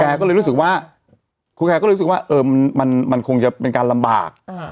ก็เลยรู้สึกว่าครูแอร์ก็เลยรู้สึกว่ามันคงจะเป็นการลำบาก